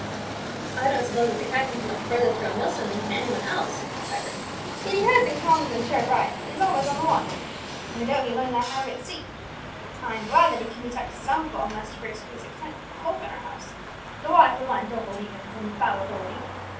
"I don't suppose that the captain can look further through a mill stone than can any one else," thought Vibert; "yet he has uncommonly sharp eyes, and is always on the watch. No doubt he learned that habit at sea. I am glad that he can detect some fault in Master Bruce, who is a kind of pope in our house, though I, for one, don't believe in his infallibility.